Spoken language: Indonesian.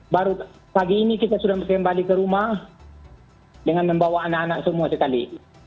baru pagi ini kita sudah kembali ke rumah dengan membawa anak anak semua sekali